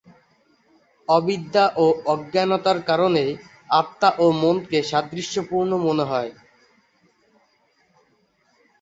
অবিদ্যা বা অজ্ঞানতার কারণে আত্মা ও মনকে সাদৃশ্যপূর্ণ মনে হয়।